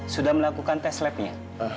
sudah melakukan tes lab nya